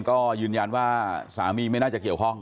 ก็ยืนยันว่าสามีไม่น่าจะเกี่ยวข้อง